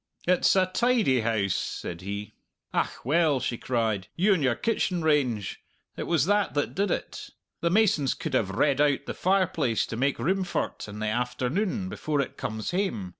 "It's a tidy house!" said he. "Ach, well," she cried, "you and your kitchen range! It was that that did it! The masons could have redd out the fireplace to make room for't in the afternoon before it comes hame.